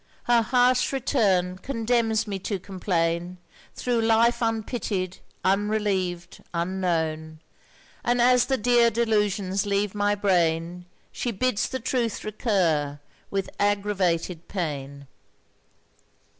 Her harsh return condemns me to complain Thro' life unpitied, unrelieved, unknown. And, as the dear delusions leave my brain, She bids the truth recur with aggravated pain.